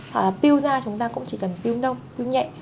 hoặc là peel da chúng ta cũng chỉ cần peel nông peel nhẹ